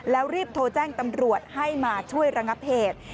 แล้วรีบโทรแจ้งตำรวจให้มาช่วยระงับเหตุ